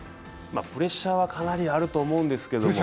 プレッシャーはかなりあると思うんですけど。